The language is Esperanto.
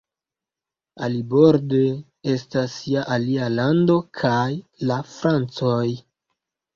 Aliborde estas ja alia lando kaj la Francoj!